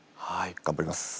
頑張ります。